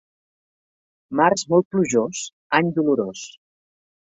Març molt plujós, any dolorós.